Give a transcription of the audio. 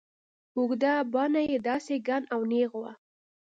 اوږده باڼه يې داسې گڼ او نېغ وو.